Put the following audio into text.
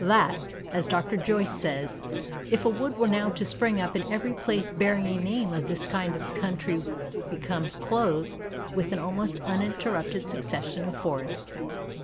that (as Dr. Joyce says) "if a wood were now to spring up in every place bearing a name of this kind the country would become clothed with an almost uninterrupted succession of forests."